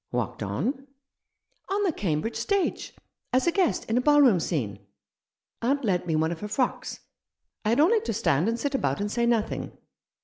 "Walked on?" " On the Cambridge stage— as a guest in a ballroom scene. Aunt lent me one of her frocks. I had only to stand and sit about and say nothing.